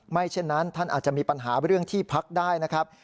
เช่นนั้นท่านอาจจะมีปัญหาเรื่องที่พักได้นะครับ